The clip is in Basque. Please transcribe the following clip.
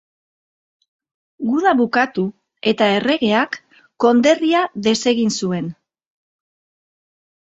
Guda bukatu eta erregeak konderria desegin zuen.